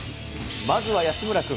まずは安村君。